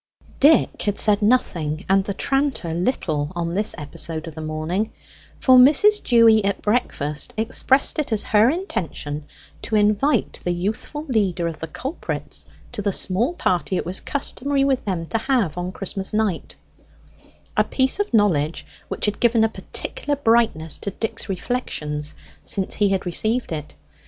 Dick had said nothing, and the tranter little, on this episode of the morning; for Mrs. Dewy at breakfast expressed it as her intention to invite the youthful leader of the culprits to the small party it was customary with them to have on Christmas night a piece of knowledge which had given a particular brightness to Dick's reflections since he had received it.